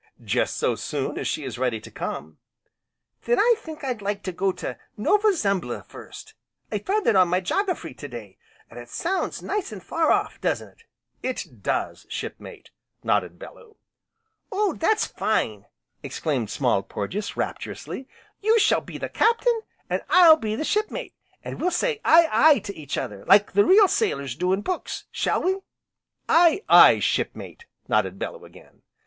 "Just so soon as she is ready to come." "Then I think I'd like to go to Nova Zembla first, I found it in my jogafrey to day, an' it sounds nice an' far off, doesn't it?" "It does, Shipmate!" nodded Bellew. "Oh! that's fine!" exclaimed Small Porges rapturously, "you shall be the captain, an' I'll be the shipmate, an' we'll say Aye Aye, to each other like the real sailors do in books, shall we?" "Aye, aye Shipmate!" nodded Bellew again.